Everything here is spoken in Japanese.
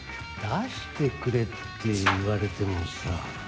出してくれって言われてもさ。